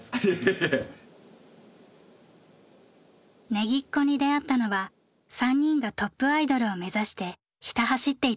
Ｎｅｇｉｃｃｏに出会ったのは３人がトップアイドルを目指してひた走っていたころ。